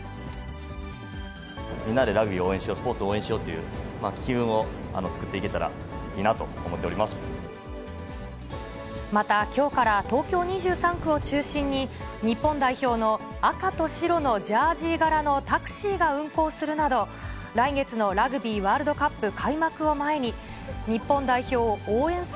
みんなでラグビーを応援しよう、スポーツを応援しようという機運を作っていけたらいいなと思また、きょうから東京２３区を中心に、日本代表の赤と白のジャージ柄のタクシーが運行するなど、来月のラグビーワールドカップ開幕を前に、日本代表を応援す